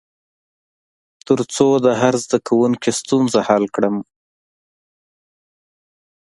تر څو د هر زده کوونکي ستونزه حل کړم.